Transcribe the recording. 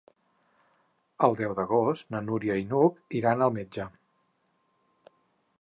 El deu d'agost na Núria i n'Hug iran al metge.